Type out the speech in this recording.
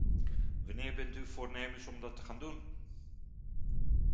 Wanneer bent u voornemens om dat te gaan doen?